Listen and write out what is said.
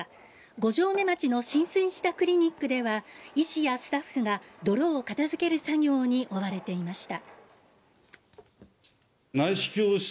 五城目町の浸水したクリニックでは医師やスタッフが泥を片づける作業に追われていました。